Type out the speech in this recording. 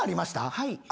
はい。